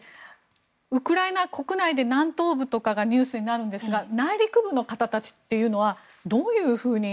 ウクライナ国内で南東部とかがニュースになるんですが内陸部の方たちはどういうふうに。